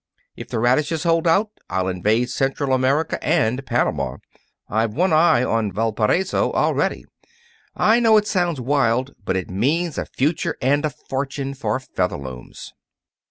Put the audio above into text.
If the radishes hold out I'll invade Central America and Panama. I've one eye on Valparaiso already. I know it sounds wild, but it means a future and a fortune for Featherlooms.